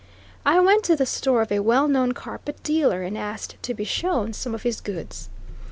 I went to the store of a well known carpet dealer, and asked to be shown some of his goods.